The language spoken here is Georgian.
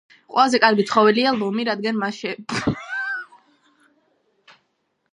ყველაზე კარგი ცხოველია ლომი რადგან მას შეფერება ზრუნველობა